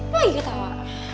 kok lagi ketawa